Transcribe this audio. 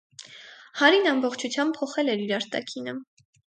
Հարին ամբողջությամբ փոխել էր իր արտաքինը։